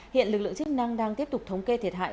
hiện lực lượng chức năng đang tiếp tục thống kê thiệt hại